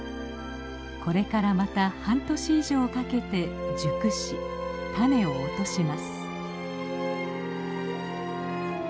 これからまた半年以上かけて熟し種を落とします。